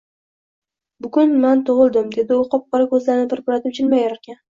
Bugun man tug'ildim, — dedi u qop-qora ko'zlarini pirpiratib jilmayarkan.